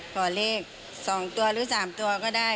ขอเลข๒ตัวหรือ๓ตัวก็ได้